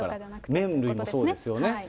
麺類もそうですよね。